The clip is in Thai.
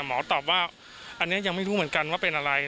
หมอตอบว่าอันนี้ยังไม่รู้เหมือนกันว่าเป็นอะไร